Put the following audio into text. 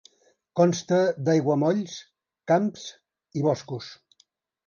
Consta d'aiguamolls, camps i boscos.